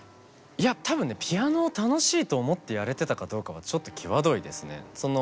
いや多分ねピアノを楽しいと思ってやれてたかどうかはちょっと際どいですね。